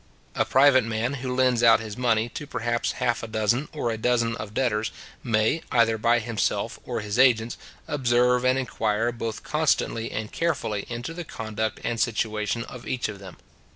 A private man who lends out his money to perhaps half a dozen or a dozen of debtors, may, either by himself or his agents, observe and inquire both constantly and carefully into the conduct and situation of each of them.